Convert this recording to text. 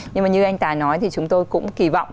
nhưng mà như anh tài nói thì chúng tôi cũng kỳ vọng